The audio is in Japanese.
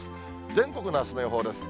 全国のあすの予報です。